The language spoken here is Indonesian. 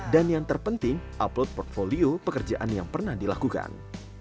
dan yang terpenting upload portfolio pekerjaan yang pernah dilakukan